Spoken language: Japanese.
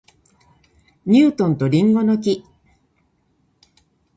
ニュートンと林檎の木